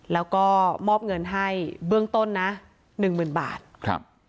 แล้วก็มอบเงินให้เบื้องต้นนะหนึ่งหมื่นบาทครับ